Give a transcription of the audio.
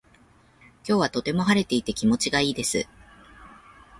今日はとても晴れていて気持ちがいいです。